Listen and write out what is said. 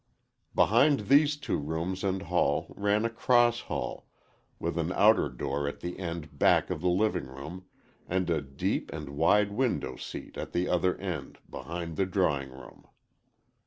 Behind these two rooms and hall, ran a cross hall, with an outer door at the end back of the living room and a deep and wide window seat at the other end, behind the drawing room.